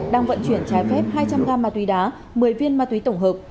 đang vận chuyển trái phép hai trăm linh gam ma túy đá một mươi viên ma túy tổng hợp